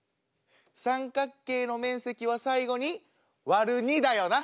三角形の面積は最後に割る２だよな。